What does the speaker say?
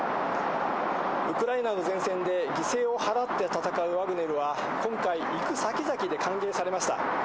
ウクライナの前線で犠牲を払って戦うワグネルは今回、行く先々で歓迎されました。